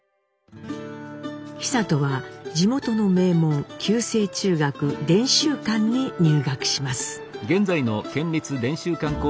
久渡は地元の名門旧制中学伝習館に入学します。